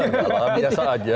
gak lama biasa aja